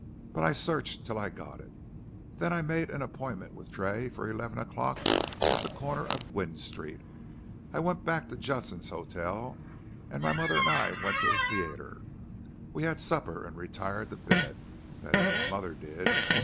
But I searched till I got it. Then I made an appointment with Tray for eleven o'clock at the corner of Gwynne Street. I went back to Judson's hotel, and my mother and I went to the theatre. We had supper and retired to bed. That is, my mother did.